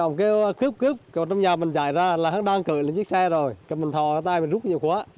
ông kêu cướp cướp trong nhà mình chạy ra là đang cưỡi lên chiếc xe rồi mình thò tay mình rút nhiều quá